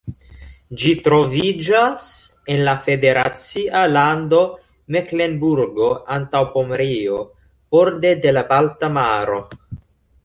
Ĝi troviĝas en la federacia lando Meklenburgo-Antaŭpomerio, borde de la Balta Maro.